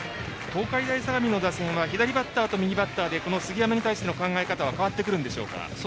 東海大相模の打線は左バッターと右バッターでこの杉山に対しての考え方は変わってくるんでしょうか？